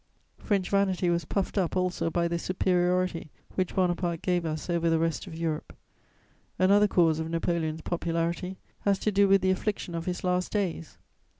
French vanity was puffed up also by the superiority which Bonaparte gave us over the rest of Europe; another cause of Napoleon's popularity has to do with the affliction of his last days.